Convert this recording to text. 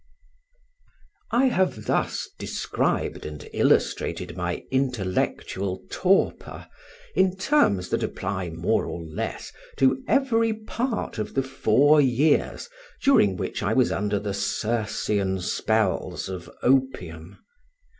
I have thus described and illustrated my intellectual torpor in terms that apply more or less to every part of the four years during which I was under the Circean spells of opium.